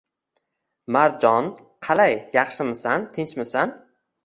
Marjon, qalay, yaxshimisan, tinchmisan